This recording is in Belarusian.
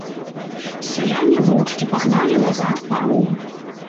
Сяляне моўчкі пагналі назад паром.